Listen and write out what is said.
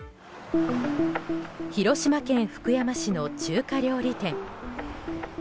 広島県福山市の中華料理店。